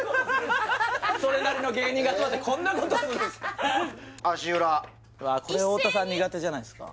それなりの芸人が集まってこんなことするんですか